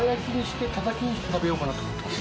弔砲靴食べようかなと思ってます。